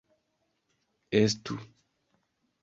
estu